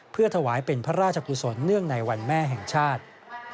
เพื่อถวายเป็นพระราชกุศลเนื่องในวันแม่แห่งชาติ